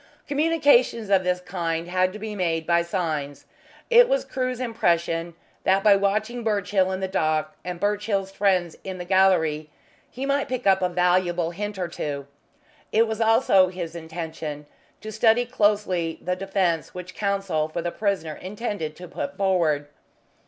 Communications of the kind had to be made by signs. It was Crewe's impression that by watching Birchill in the dock and Birchill's friends in the gallery he might pick up a valuable hint or two. It was also his intention to study closely the defence which Counsel for the prisoner intended to put forward.